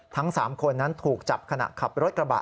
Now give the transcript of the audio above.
ทั้ง๓คนนั้นถูกจับขณะขับรถกระบะ